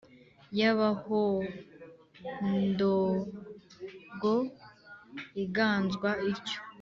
y'abahondogo iganzwa ityo.